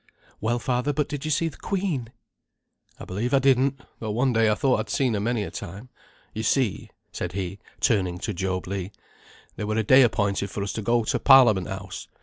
"Well, father, but did you see th' Queen?" "I believe I didn't, though one day I thought I'd seen her many a time. You see," said he, turning to Job Legh, "there were a day appointed for us to go to Parliament House.